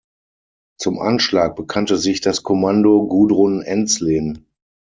Zum Anschlag bekannte sich das "Kommando Gudrun Ensslin".